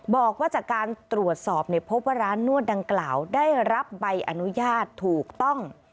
บอกว่าจากการตรวจสอบพบว่าร้านนวดดังกล่าวได้รับใบอนุญาตถูกต้อง